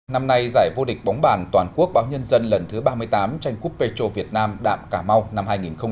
năm nay giải vô địch bóng bàn toàn quốc báo nhân dân lần thứ ba mươi tám tranh cúp pê chô việt nam đạm cà mau năm hai nghìn hai mươi